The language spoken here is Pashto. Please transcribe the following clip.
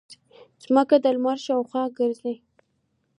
ځمکه د لمر شاوخوا ګرځي